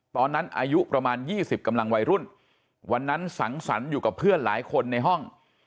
ตอนนั้นอายุประมาณ๒๐กำลังวัยรุ่นวันนั้นสังสรรค์อยู่กับเพื่อนหลายคนในห้อง